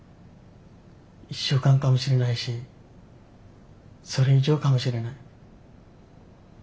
１週間かもしれないしそれ以上かもしれない。